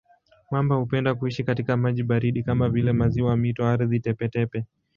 Mamba hupenda kuishi katika maji baridi kama vile maziwa, mito, ardhi tepe-tepe.